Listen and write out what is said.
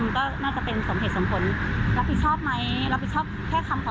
ส่วนตัวตอนนี้ยังติดใจอะไรอยู่นะครับ